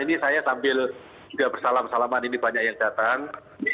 ini saya sambil juga bersalam salaman ini banyak yang datang